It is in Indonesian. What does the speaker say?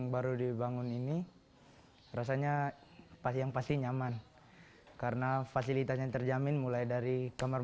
baru dibangun ini rasanya pas yang pasti nyaman karena fasilitasnya terjamin mulai dari kamar